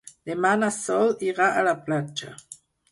Demà na Sol irà a la platja.